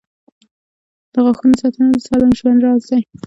• د غاښونو ساتنه د سالم ژوند راز دی.